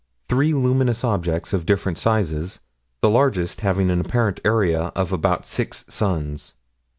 Three luminous objects, of different sizes, the largest having an apparent area of about six suns.